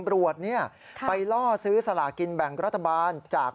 โรงพักโรงพักโรงพักโรงพัก